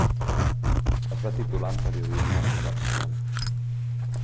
Es va titular en periodisme a Barcelona.